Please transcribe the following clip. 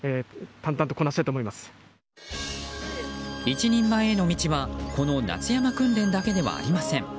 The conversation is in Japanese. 一人前への道はこの夏山訓練だけではありません。